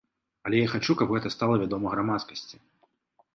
Але я хачу, каб гэта стала вядома грамадскасці.